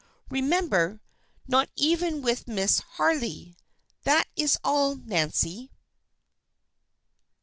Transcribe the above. Remember! Not even with Miss Harley. That is all, Nancy."